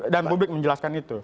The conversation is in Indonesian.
dan publik menjelaskan itu